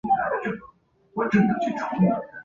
第一种说法戴欧尼修斯是宙斯和塞墨勒的儿子。